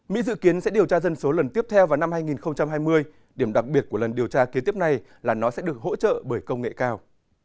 mỹ dự kiến sẽ điều tra dân số lần tiếp theo vào năm hai nghìn hai mươi điểm đặc biệt của lần điều tra kế tiếp này là nó sẽ được hỗ trợ bởi công nghệ cao